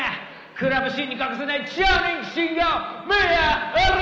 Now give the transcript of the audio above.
クラブシーンに欠かせない超人気シンガーミア西表！